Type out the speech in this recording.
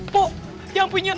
bu yang punya